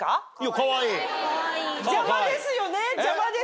邪魔です邪魔です。